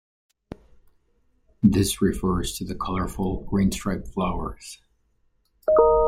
This refers to the colorful, green striped flowers.